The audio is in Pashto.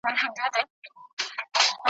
په تياره كوڅه كي بيرته خاموشي سوه ,